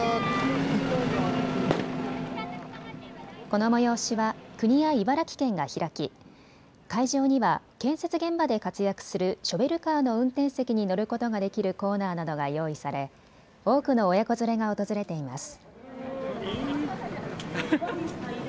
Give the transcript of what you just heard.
この催しは国や茨城県が開き会場には建設現場で活躍するショベルカーの運転席に乗ることができるコーナーなどが用意され多くの親子連れが訪れています。